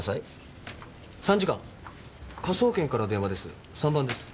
参事官科捜研から電話です。